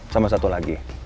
sama satu lagi